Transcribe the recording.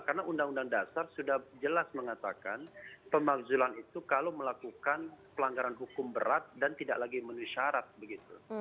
karena undang undang dasar sudah jelas mengatakan pemakzulan itu kalau melakukan pelanggaran hukum berat dan tidak lagi menuhi syarat begitu